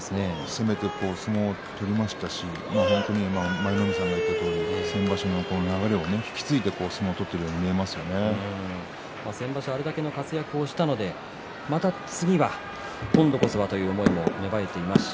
攻めて相撲を取りましたし舞の海さんが言ったように先場所の流れを引き継いで相撲を取っているように先場所、あれだけの活躍をしたので今度こそはという気持ちも芽生えてますし。